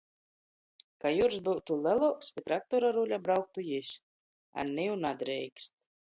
Ka Jurs byutu leluoks, pi traktora ruļa brauktu jis, a niu nadreikst.